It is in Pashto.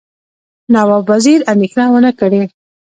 نواب وزیر اندېښنه ونه کړي.